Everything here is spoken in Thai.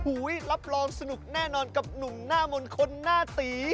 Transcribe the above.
รับรองสนุกแน่นอนกับหนุ่มหน้ามนต์คนหน้าตี